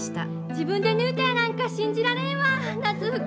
自分で縫うたやなんか信じられんわ夏服。